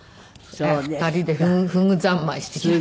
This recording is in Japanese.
２人でフグ三昧してきました。